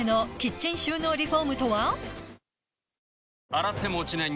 洗っても落ちない